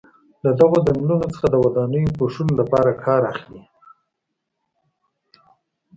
له دغو څنګلونو څخه د ودانیو پوښلو لپاره کار اخلي.